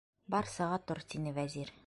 - Бар, сыға тор, - тине Вәзир.